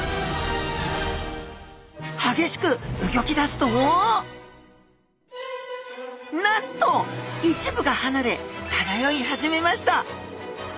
激しくうギョき出すとなんと一部がはなれ漂い始めました！